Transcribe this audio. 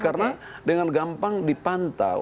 di daerah itu kepatuhan yang harus diperhatikan